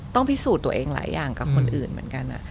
พิสูจน์ตัวเองหลายอย่างกับคนอื่นเหมือนกัน